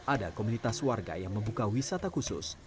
ada komunitas warga yang membuka wisata khusus